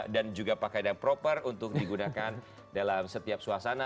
dan juga pakai yang proper untuk digunakan dalam setiap suasana